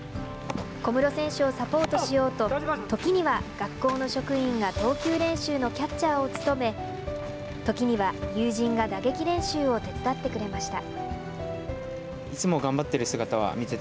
小室選手をサポートしようと時には学校の職員が投球練習のキャッチャーを務め時には友人が打撃練習を手伝ってくれました。